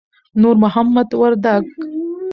نور محمد وردک